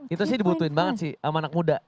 itu sih dibutuhin banget sih sama anak muda